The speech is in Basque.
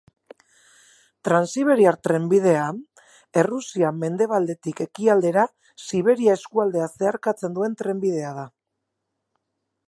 Transiberiar Trenbidea Errusia mendebaldetik ekialdera Siberia eskualdea zeharkatzen duen trenbidea da.